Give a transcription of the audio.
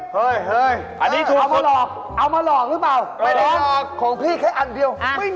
เฮ้ยเฮ้ย